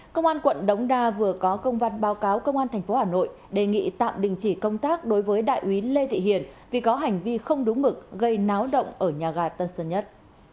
công an quận đống đa vừa có công văn báo cáo công an tp hà nội đề nghị tạm đình chỉ công tác đối với đại úy lê thị hiền vì có hành vi không đúng mực gây náo động ở nhà gà tân sơn nhất